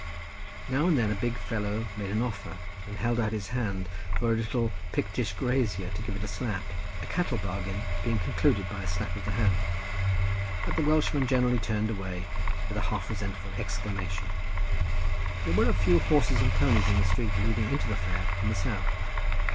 Now and then a big fellow made an offer, and held out his hand for a little Pictish grazier to give it a slap—a cattle bargain being concluded by a slap of the hand—but the Welshman generally turned away, with a half resentful exclamation. There were a few horses and ponies in a street leading into the fair from the south.